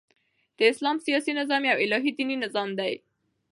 د اسلام سیاسي نظام یو الهي دیني نظام دئ.